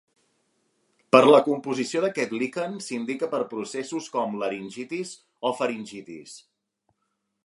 Per la composició d'aquest liquen s'indica per processos com laringitis o faringitis.